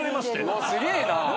うわすげえな。